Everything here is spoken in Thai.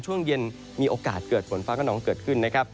ช่วงเย็นมีโอกาสเกิดฝนฟ้ากระนองเกิดขึ้นนะครับ